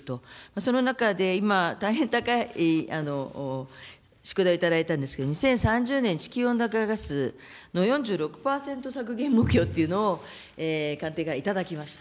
その中で今、大変高い宿題を頂いたんですけれども、２０３０年地球温暖化ガス４６％削減目標っていうのを官邸がいただきました。